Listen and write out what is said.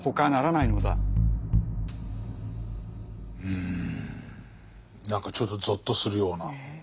うん何かちょっとぞっとするような。